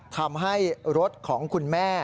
ทำให้รถของคุณแม่